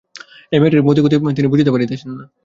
এই মেয়েটির মতিগতি তিনি বুঝতে পারছেন না।